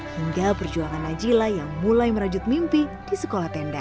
hingga perjuangan najila yang mulai merajut mimpi di sekolah tenda